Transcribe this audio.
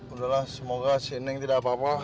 udah lah semoga si neng tidak apa apa